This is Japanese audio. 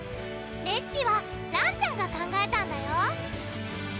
レシピはらんちゃんが考えたんだよ